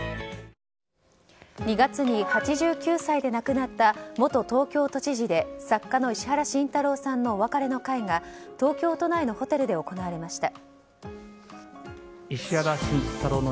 ２月に８９歳で亡くなった元東京都知事で作家の石原慎太郎さんのお別れの会が東京都内のホテルで行われました。